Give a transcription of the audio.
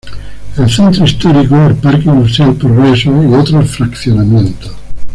El centro Histórico, el Parque Industrial Progreso, y otros fraccionamientos.